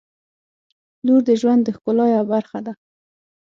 • لور د ژوند د ښکلا یوه برخه ده.